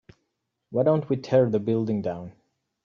why don't we tear the building down?